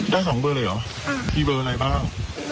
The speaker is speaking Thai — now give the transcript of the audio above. ได้สองบ้าอ๋อได้สองเบอร์แล้ว